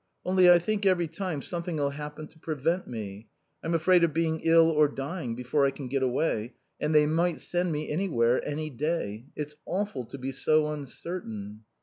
Only I think every time something'll happen to prevent me. I'm afraid of being ill or dying before I can get away. And they might send me anywhere any day. It's awful to be so uncertain."